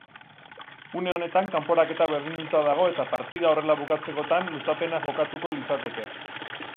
Une honetan kanporaketa berdinduta dago eta partida horrela bukatzekotan luzapena jokatuko litzateke.